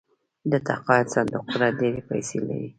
د تقاعد صندوقونه ډیرې پیسې لري.